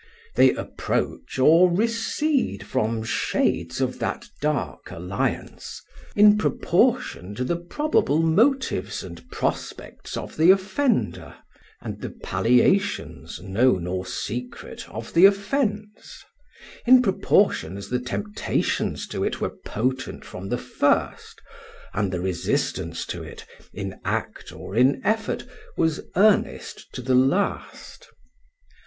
They approach or recede from shades of that dark alliance, in proportion to the probable motives and prospects of the offender, and the palliations, known or secret, of the offence; in proportion as the temptations to it were potent from the first, and the resistance to it, in act or in effort, was earnest to the last.